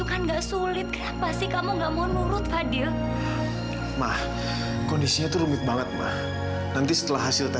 kalau begitu saya permisi